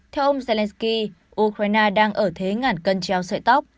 theo ông zelensky ukraine đang ở thế ngản cân treo sợi tóc